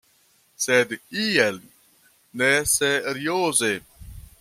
Sed iel neserioze.